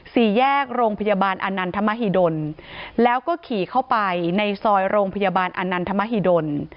สี่แยกโรงพยาบาลอนันทมหิดลแล้วก็ขี่เข้าไปในซอยโรงพยาบาลอนันทมหิดล